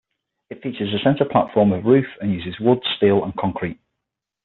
It features a center platform with a roof, and uses wood, steel and concrete.